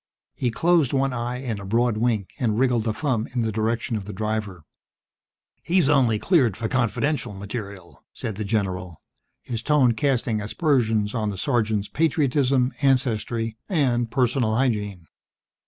He closed one eye in a broad wink and wriggled a thumb in the direction of the driver. "He's only cleared for Confidential material," said the general, his tone casting aspersions on the sergeant's patriotism, ancestry and personal hygiene.